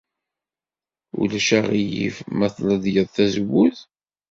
Ulac aɣilif ma tledyeḍ tazewwut?